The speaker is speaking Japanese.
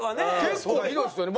結構ひどいですよね。